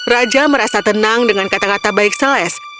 raja merasa tenang dengan kata kata baik seles